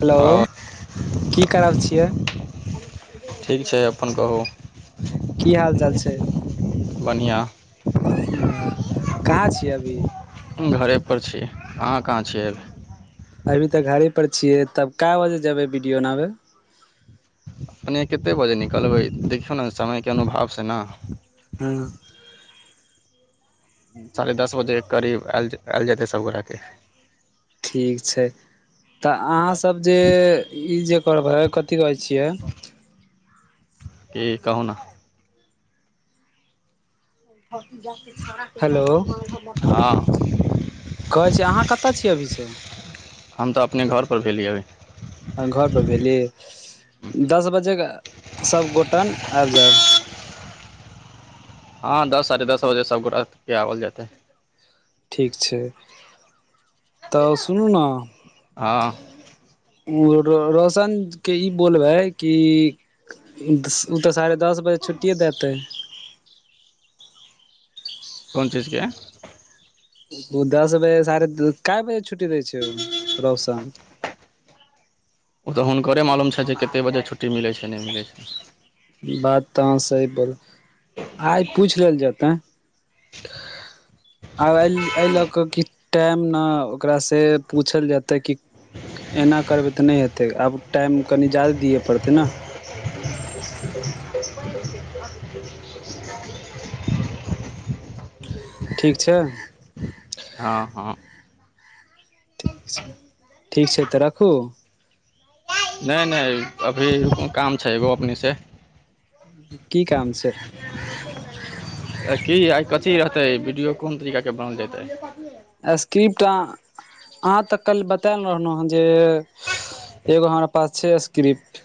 Hello हँ की कर छियै। ठीक छैय अपन कहू की हाल चाल छै बढ़िआँ। कहाँ छियै अभी। हू घरेपर छी आहाँ काहाँ छीयै अभी। अभी तऽ घरे पर छियै तब कए बजे जेबे वीडियो बनावे। अपने कतेक बजे निकलबै देखियौ नऽ समयके अनुभवसँ नऽ। हँ साढ़े दस बजे करीब आयल आयल जेतै सबगोरा के। ठीक छैय तऽ अहाँ सब जे ई जे करबै कथी कहै छियै कि कहु नऽ हेलो हँ कहै छियै अहाँ कतय छियै अभीसँ। हम तऽ अपने घरपर भेली अभी घरपर भेली दस बजे सबगोट आबि जायब। हँ दस साढ़े दस बजे सभ गोटाके आओल जेतै। ठीक छैय तऽ सुनु नऽ- हँ रौशनके इ बोलबै कि उऽ तऽ साढ़े दस बजे छुट्टिए देतै। कोन चीजके ओ दस बजे साढ़े कए बजे कै बजे छुट्टी दै छै ओ रौशन। ओ तऽ हुनकरे मालूम छैय जे कतेक बजे छुट्टी मिलैत छै नहि मिलै छैय। बात तऽ अहाँ सही बोल आइ पूछि लेल जेतै। [unintelligible] आब एहि एहि लऽ कऽ कि टाइम नऽ ओकरासँ पूछल जेतै कि एना करबै तऽ नहि हेतै आब टाइम कनि ज्यदे दिए पड़तै नऽ। [unintelligible] ठीक छैय हँ हँ ठीक छैय ठीक छैय तऽ राखू। नहि नहि अभी काम छैय एगो अपने से। की काम छैय। की आइ कथी रहतै वीडियो कोन तरीकाके बनाल जेतै। स्क्रिप्ट अऽ आहाँ तक कल् बतयल रहलहु हन। जे एगो हमरा पास छैय स्क्रिप्ट।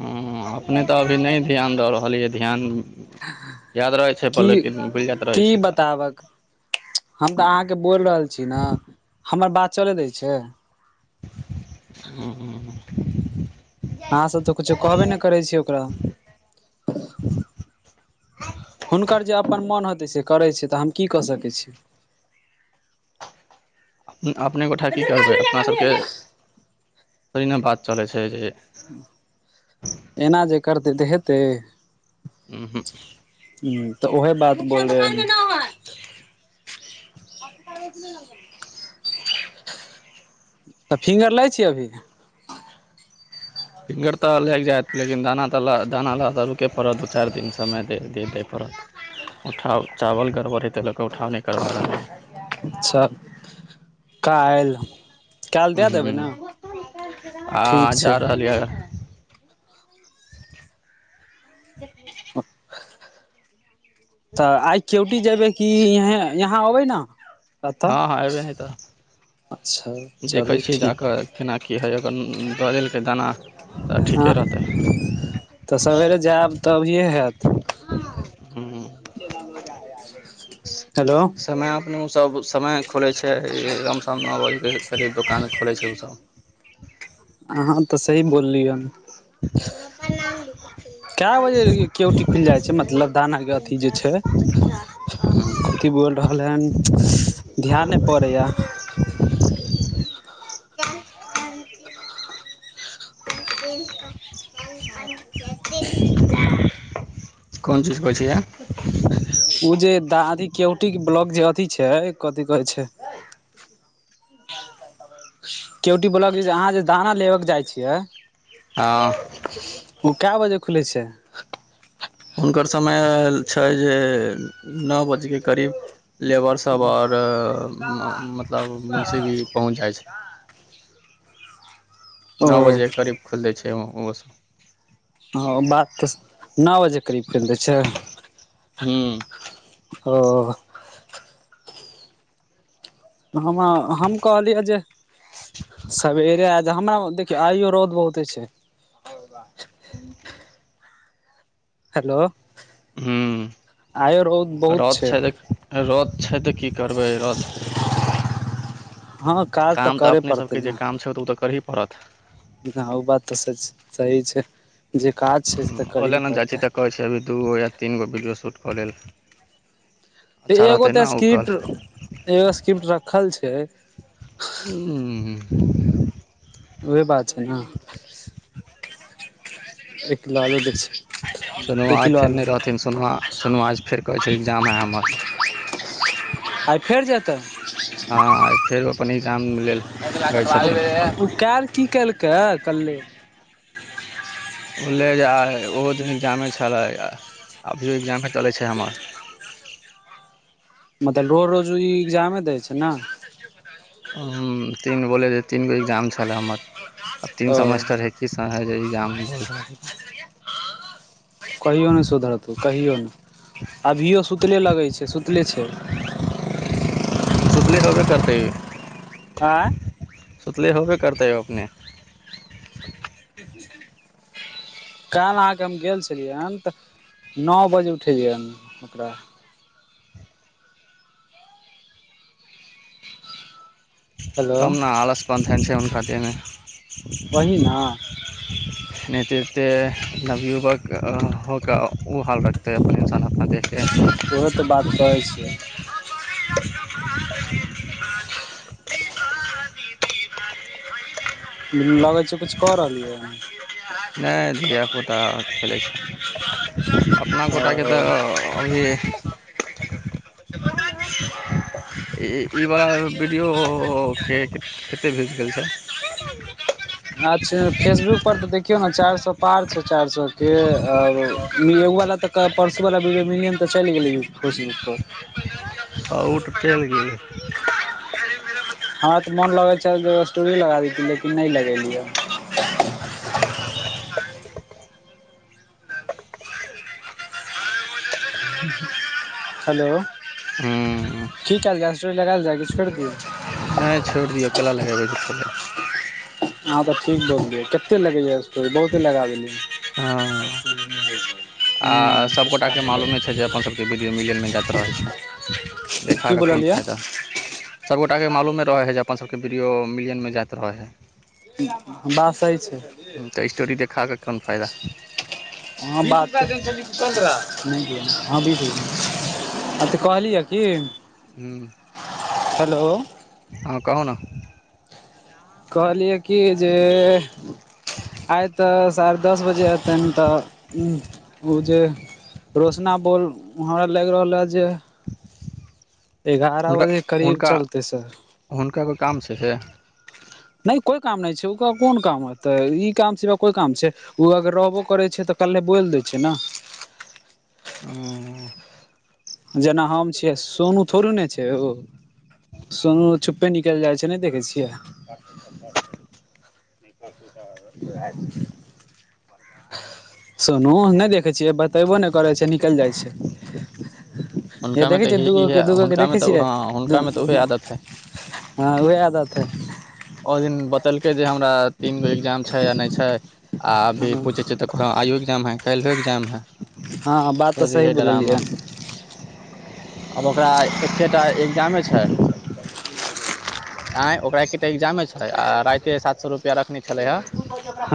हू अपने तऽ अभी नहि ध्यान दऽ रहलियै ध्यान याद रहै छैय पर लेकिन भुलि जाइत रहै छैय तऽ। आवक हम तऽ अहाँके बोल रहल छी नऽ हमर बात चले दै छिये हू अहाँ सब तऽ कुछो कहबे ने करै छी ओकरा। हुनकर जे अपन मोन होतै से करै छै तऽ हम की कऽ सकै छी अपने गोठा की करबै अपना सबके नै न बात चलै छै जे एना जे करतै तऽ हेतै। उंम्हू हुँ तऽ उहे बात बोल रहे तऽ फिंगर लै छियै अभी। फिंगर तऽ लागि जायत लेकिन दाना तऽ ल दाना लगा तऽ रुकय पड़त दू चारि दिन समय द दै पड़त उठाव चावल गड़बड़ है तै लऽ कऽ उठाव नय करबा रहलै य अच्छा काल्हि काल्हि दै देबै ने ठीक हँ छै जा रहलियै [inaudible] [inaudible] तऽ आइ क्योटी जेयबै कि यह यहाँ अबै ने एतऽ हँ हँ एबै नय तऽ अच्छा देखै चलू छियै ठीक जाकऽ केना की हइ अगर दऽ देलकै दाना तऽ हँ ठीके रहतै तऽ सबेरे जायब तभीये हैत रहतै हेलो समय अपने उ सब समय खोलै छै लम शम नौ बजके करीब दोकान खोलै छै ओसब आहाँ तऽ सही बोललियैन [unintelligible] केवटी खुलि जाइ छै मतलब दाना के अथी जे छै कथी बोल रहल हन ध्यान नै पड़ैया [inaudible] [inaudible] कोन चीज कहै छियै उ जे दादी केवटी के ब्लॉक जे अथी छै कथी कहै छै [inaudible] केउटी ब्लॉक जे अहाँ जे दाना लेबक के जाइ छियै हँ उ कै बजे खुलै छै हुनकर समय छै जे नओ बजके करीब लेबर सभ आओर मतलब मुंशी भी पहुँच जाइ छै। ओ नौ बजे के करीब खुलि दै छै ओ ओ बात तऽ स नओ बजेके करीब खोलि दै छै हुँ ओ हम आ हम कहलियै जे सबेरे आ जहाँम न देखियौ आइयो रौद बहुते छै [inaudible] [inaudible] हेलो हुँ रौद छै तऽ रौद छै तऽ की करबै रौद हँ काज काम तऽ करे अपने सब पड़तै केँ जे काम छै तऽ ओ तऽ करही पड़त ह ओ बात तऽ स सही छै जे काज छै से तऽ ओले करही ने जाइ छी पड़तै तऽ कहै छै अभी दूगो या तीन गो वीडियो शूट कऽ लेल तऽ अच्छा एगो रहतै तऽ ने ओ कल स्क्रिप्ट एगो स्क्रिप्ट रखल छै [inaudible] [unintelligible] उहे बात छै न [unintelligible] सोनू एक आज किलो फेर आलू नै रहथिन सोनुआ सोनू आज फेर कहै छै एग्जाम है हमर [unintelligible] हँ फेरो अपन एग्जाम लेल कहै छथिन [unintelligible] ओलेज आइ ओहो दिन एग्जामे छलै अभियो एग्जामे चलै छै हमर मतलब रोड रोज ई एग्जामे दै छै न हु तीन बोले तीन गो एग्जाम छले हमर [inaudible] आ ओ तीन सेमेस्टर है [unintelligible] कहियो नै सुधरतौ कहियो नै [inaudible] अभियो सुतले लगैत छै सुतले छै [unintelligible] सुतले रहबे करतै इ आइ [inaudible] सुतले होबे करते अपने काल अहाँकेँ हम गेल छलियैनि तऽ नओ बजे उठेलियैनि ओकरा [unintelligible] हेलो वही [unintelligible] [unintelligible] नै ते ऐते नवयुवक हो कऽ ओ हाल रखत है अपन इन्सान अपना देख केँ [unintelligible] [unintelligible] [unintelligible] नै धियापुता खेलैत छै [inaudible] अपना ओ गोटाके तऽ अ अभी ई ई बला वीडियो केँ कते भ्यूज गेल छै अच्छा फेसबुक पर तऽ देखियौ ने चार सौ पार छै चार सौ के और एगो वाला तऽ कऽ परसूवला वीडियो मिलियन तऽ चैल गेलैय फेसबुक पर हँ आ उऽ तऽ चैल गेली हमरा तऽ मोन लगै छैल जे स्टोरी लगा द लेकिन नै लगेलिय [unintelligible] हूँ [unintelligible] नै छोड़ि दियौ कै ला लगेबै झूठे लेल हँ [unintelligible] आ सभ हूँ गोटा केँ मालूमे छै जे अपन सभ केँ वीडियो मिलियनमे जाइत रहैत छै की देखा केँ कोन बोललियै फाइदा सबगोटा कऽ मालूमे रहे है जे अपन सबके बीडियो मिलियन मे जाइत रहे है [unintelligible] बात सही छै ह तऽ स्टोरी देखाबे कऽ कोन फायदा [unintelligible] [unintelligible] हू हेलो हँ कहू न कहलियै कि जे आइ तऽ साढ़े दस बजे अथिनि तऽ ओ जे रोशना बोल हमरा लागि रहल हए जे एगारह हुनका बजे करीब हुनका चलतै से हुनका कोय काम छै। से नहि कोइ काम नहि छै। ओकर कोन काम होतै ई काम छै। कोइ काम छै। ओ अगर रहबो करैत छै। तऽ कल्हे बोलि दै छै। ने हु। जेना हम छियै सोनू थोड़े ने छै। ओ सोनू छुपे निकलि जाइ छै। ने देखै छियै [unintelligible] सोनू नहि देखै छियै बतेबो नै करै छै। निकलि जाइ छै। य हुनकामे देखै छियै तऽ दूगोके इएह दू गोके हुनकामे देखै तऽ छियै हँ हुनकामे तऽ उएह आदत हइ हँ उह आदत हइ ओ दिन बतेलकै जे हमरा तीन गो एग्जाम छै। या नै छै। आ अभी हँ पूछे छियै तऽ हँं आइयो एग्जाम हे कैल्हो एग्जाम हे हँ हँ बात तऽ सही बोललियै हन आब ओकरा एकेटा एग्जामे छै। आँय ओकरा एकेटा एग्जामे छै। आ राइते सात सए रुपआ रखने छलै हे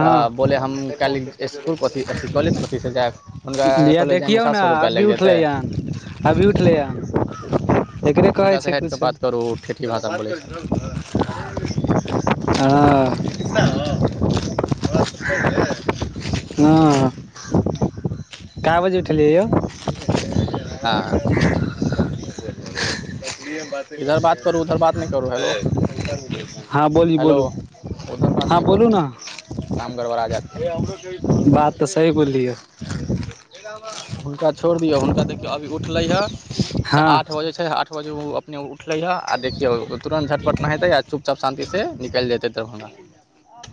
तऽ बोले हम काल्हि इसकुल कथी अथी कॉलेज कथीसँ जायब हुनका कॉलेज देख जाइमे कियौ सात ने सए रुपैआ अभी लागि जेतै उठलै यन अभी उठलै यन एकरे कहै हुनकासँ छै। हटि कऽ किछु बात करू ठेठी भाषा बोलै छै हँ तोरा स पहिले हँ कए बजे उठलियै यौ हँ इधर बात करू उधर बात नहि करू हेलो [unintelligible] हँ बोली हेलो बोलू उधर बात हँ नहि बोलू करू ने काम गड़बड़ा जायत बात तऽ सही बोललियै हुनका छोड़ दियौ हुनका देखियौ अभी उठले ह हँ आठ बजे छै। आठ बजे ओ उ उठलैहँ आ देखियौ तुरन्त झटपट नेहेतै आ चुप चाप शांति से निकलि जेतै दरभंगा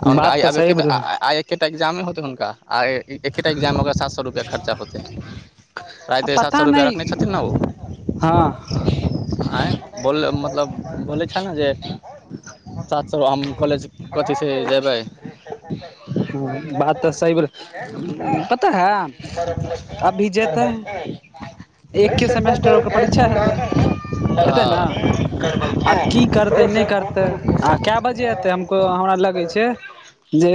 हुनका बात आब तऽ सही बोल एकेटाआइ एकेटा एग्जामे होतै हुनका आ एकेटा एग्जाम में ओकरा सात सए रुपआ खर्चा होतै आ राइते सात सए पता रुपआ नहि रखने छथिन ने ओ हँ आँय बोलै मतलब बोलै छेल ने जे सात सौ रु हम काॅलेज कथी से जेबै ह बात तऽ सही, कतऽ पता हेए अभी जेतै एके प्रेशर सेमेस्टर कुकर ओकर गैस परीक्षा चूल्हा हेतै की हेतै ने मरम्मती आब की करबैके करतै नै करते आ कए बजे एतै हमको हमरा लगै छै। जे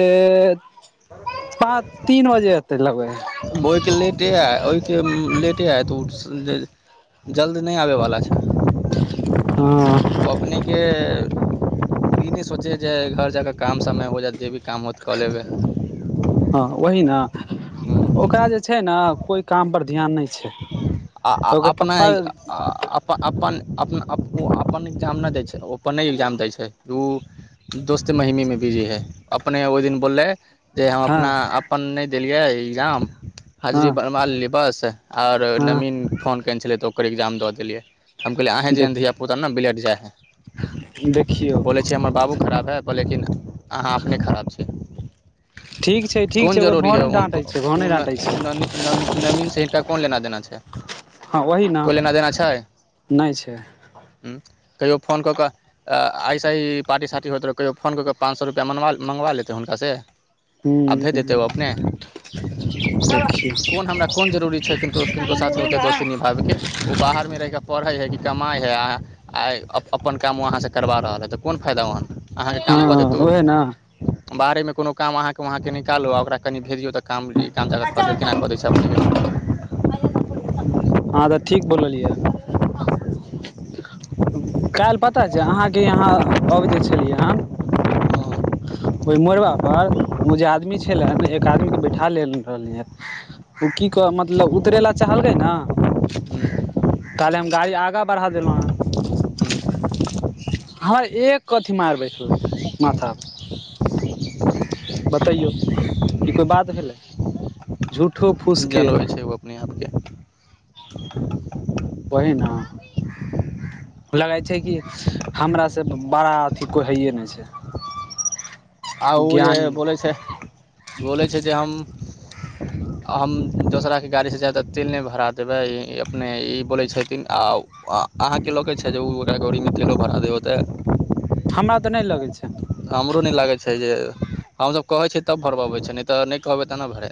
पाँच तीन बजे एतै लगैया बहु लेटे ऐ ओहिके लेटे ऐत उ ड जल्द नै आबैवला छै हँ ओ अपनेके ई नै सोचै है जे घर जाकऽ काम समय हो जाएत जे भी काम होत कऽ लेबै हँ ओही न ओकरा जे छै न कोइ काम पर ध्यान नै छै आ ओकर अपना पप्पा अपन अपन अप्पो अपन एग्जाम नै दै छै ओ पन नै एग्जाम दै छै उ दोस्त महिमीमे बिजी है अपने ओइ दिन बोललै जे हम हँ अपना अपन नै देलियै एग्जाम हँ हाजिरी बनबा लेलियै बस आओर हँ हूँ फोन केने छलै तऽ ओकर एग्जाम दऽ देलियै हम कहले अहिं जेहन देख धिया पुता न बिलैट जाइ है देखियौ बोलै छीयै हमर बाबू खराब हेए कह लेकिन अहाँ अपने खराब छी ठीक छै ठीक कोन छै ओकर जरूरी भाव है नहि उनक डाँटै छै भाव उ नहि न डाँटै छै उ ननी नमी नमीनसँ हिनका कोन लेना देना छै हँ ओही ने कोई लेना - देना छैय नहि छै उं कहियो फोन कऽ कऽ आ आइसं इ पार्टी साटी होइत रह कहियो फोन कऽ क पाँच सो रुपआ मनवा मंगवा लितौं हुनका से आब भेज देतै ओ हूँ अपने, देखियौ कोन हमरा कोन जरूरी छै किनको किनको साथे ओते दोस्ती निभाबैके ओ बाहर मे रहिके पढ़ै है कि कमाय है आहाँ आइ अपन काम उ अहाँसँ करबा रहल हए तऽ कोन फायदा वहान अहाँके काम कऽ हँ देएत उएह ने उ बाहरेमे कोनो काम अहाँके वहाँके निकालू आ ओकरा कनि भेजियौ तऽ काम जी काम ज्यादा कऽ के केना कऽ दै छथिन्ह [unintelligible] हँ तऽ ठीक बोललियै हन कैल पता छै अहाँके यहाँ अबै जे छलियै हन ओइ मोड़बा पर ओ जे आदमी छलेए हन एक आदमी के बै ठा लेलै रहलैह उ की कह मतलब उतरै ला चहलकै न हँ कहलै हम गाड़ी आगाँ बढ़ा देलौं हन ह हँ एक कथी मारबै छलै माथप बतैयौ ई कोई बात भेलै झूठो फूसके जनबै छै ओ अपने आपके ओहिन लगाय छै कि हमरासँ बड़ा अथि कोई हाइए नै छैय ह [inaudible] आ ओ जे बोलै छै बोलै छै जे हम ह [inaudible] हम दोसराके गाड़ीसँ जैदा तेल नै भरा देबाय अपने ई बोलै छथिन आओ उ आ अहाँके लगै छै जे ओ ओकरा गौड़ीमे तेलो भरा दै ओतै हमरा तऽ नै लगै छै हमरो नै लागै छै जे हमसब कहै छियै तब भरबबै छै नै तऽ नै कहबै त नै भरै